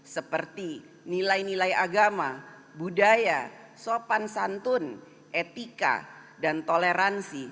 seperti nilai nilai agama budaya sopan santun etika dan toleransi